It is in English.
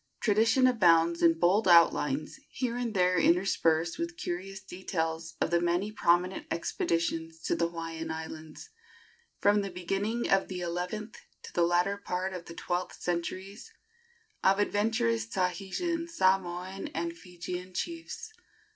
Tradition abounds in bold outlines, here and there interspersed with curious details, of the many prominent expeditions to the Hawaiian Islands, from the beginning of the eleventh to the latter part of the twelfth centuries, of adventurous Tahitian, Samoan and Georgian chiefs.